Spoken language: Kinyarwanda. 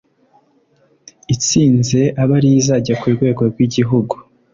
itsinze abe ariyo izajya ku rwego rw’igihugu